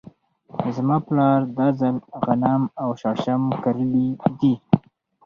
زما پلار دا ځل غنم او شړشم کرلي دي .